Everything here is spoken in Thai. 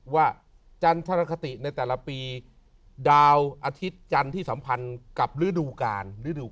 ว่าจรรย์ธรรมคติในแต่ละปีดาวอาทิตย์จรรย์ที่สัมพันธ์กับฤดูการ